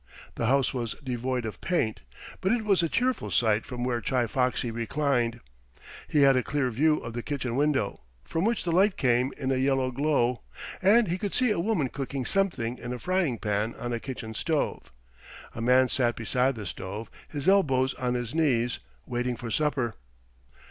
The house was devoid of paint, but it was a cheerful sight from where Chi Foxy reclined. He had a clear view of the kitchen window, from which the light came in a yellow glow, and he could see a woman cooking something in a frying pan on a kitchen stove. A man sat beside the stove, his elbows on his knees, waiting for supper.